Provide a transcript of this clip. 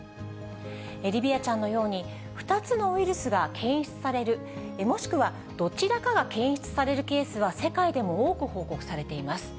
リヴィアちゃんのように、２つのウイルスが検出される、もしくはどちらかが検出されるケースは、世界でも多く報告されています。